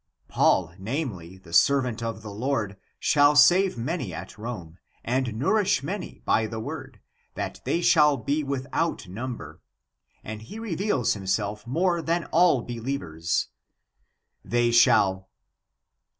Paul namely, the servant of the Lord, shall save many at Rome, and nourish many by the word, that they shall be without number, and he re veals himself more than all believers. Then shall